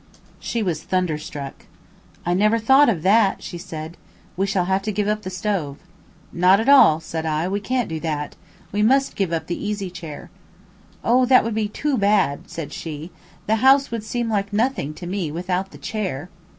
She was thunderstruck. "I never thought of that," she said. "We shall have to give up the stove." "Not at all," said I, "we can't do that. We must give up the easy chair." "Oh, that would be too bad," said she. "The house would seem like nothing to me without the chair!"